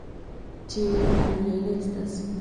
Ĉiuj aliaj restas.